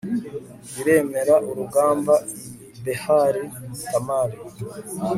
baremera urugamba i behali tamari